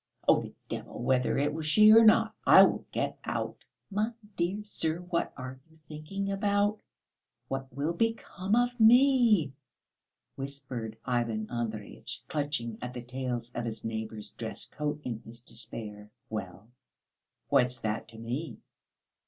Oh, the devil whether it was she or not, I will get out." "My dear sir! What are you thinking about? What will become of me?" whispered Ivan Andreyitch, clutching at the tails of his neighbour's dress coat in his despair. "Well, what's that to me?